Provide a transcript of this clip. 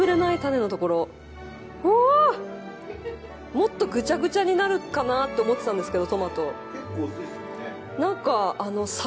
もっとぐちゃぐちゃになるかなと思っていたんですけど。